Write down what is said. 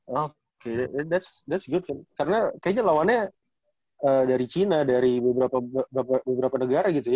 oh oke itu bagus karena kayaknya lawannya dari china dari beberapa negara gitu ya